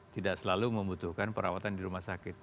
tidak selalu membutuhkan perawatan di rumah sakit